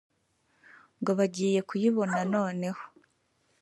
ngo bagiye kuyibona noneho